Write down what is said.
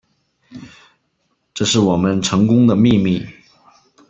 这是我们成功的秘密